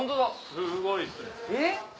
すごいですね。